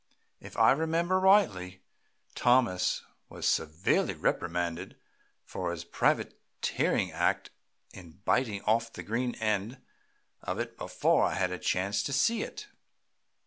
If I remember rightly, Thomas was severely reprimanded for his privateering act in biting off the green end of it before I had a chance to see it."